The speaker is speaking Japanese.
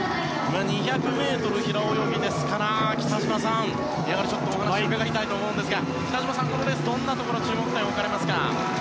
２００ｍ平泳ぎですから北島さんにお話を伺いたいですが北島さん、このレースどんなところに注目しますか？